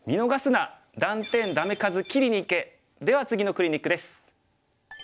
では次のクリニックです。